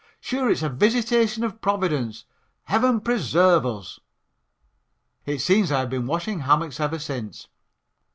Sure, it's a visitation of Providence, heaven preserve us." It seems I have been washing hammocks ever since.